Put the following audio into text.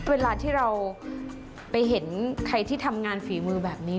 เวลาที่เราไปเห็นใครที่ทำงานฝีมือแบบนี้